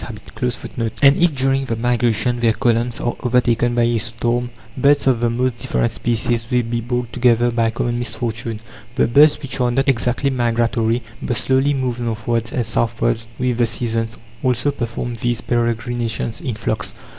(8) And if, during the migration, their columns are overtaken by a storm, birds of the most different species will be brought together by common misfortune. The birds which are not exactly migratory, but slowly move northwards and southwards with the seasons, also perform these peregrinations in flocks.